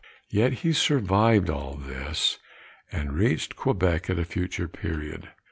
Yet he survived all this, and reached Quebec at a future period.